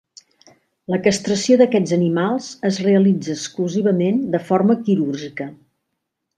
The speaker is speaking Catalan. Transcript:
La castració d'aquests animals es realitza exclusivament de forma quirúrgica.